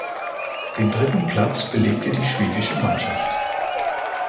Den dritten Platz belegte die schwedische Mannschaft.